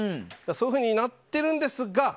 そういうふうになっているんですが。